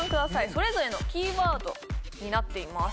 それぞれのキーワードになっています